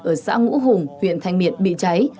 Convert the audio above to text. ở xã ngũ hùng huyện thanh miện bị cháy